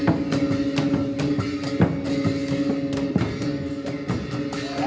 โอ้โอ้โอ้โอ้